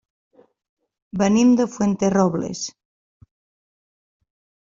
Venim de Fuenterrobles.